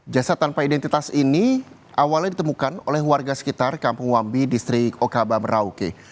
jasad tanpa identitas ini awalnya ditemukan oleh warga sekitar kampung wambi distrik okabah merauke